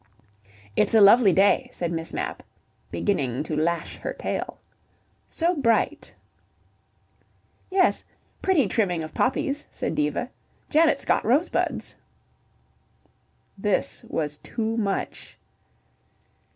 "It's a lovely day," said Miss Mapp, beginning to lash her tail. "So bright." "Yes. Pretty trimming of poppies," said Diva. "Janet's got rosebuds." This was too much.